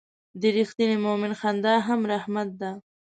د رښتیني مؤمن خندا هم رحمت ده.